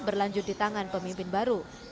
berlanjut di tangan pemimpin baru